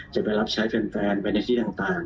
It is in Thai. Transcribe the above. จะไปรับใช้แฟนไปในที่ต่าง